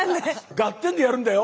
「ガッテン！」でやるんだよ。